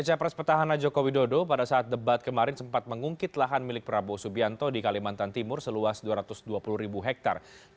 capres petahana jokowi dodo pada saat debat kemarin sempat mengungkit lahan milik prabowo subianto di kalimantan timur seluas dua ratus dua puluh ribu hektare